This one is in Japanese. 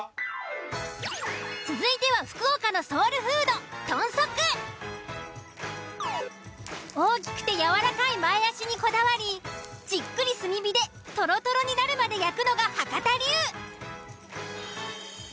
続いては福岡のソウルフード大きくてやわらかい前足にこだわりじっくり炭火でとろとろになるまで焼くのが博多流。